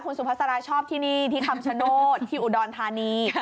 สุภาษาชอบที่นี่ที่คำชโนธที่อุดรธานี